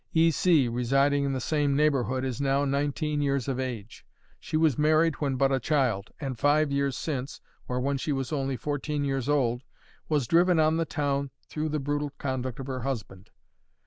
E. C., residing in the same neighborhood, is now nineteen years of age. She was married when but a child, and, five years since, or when she was only fourteen years old, was driven on the town through the brutal conduct of her husband.